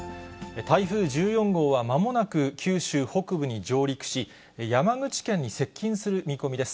台風１４号は、まもなく九州北部に上陸し、山口県に接近する見込みです。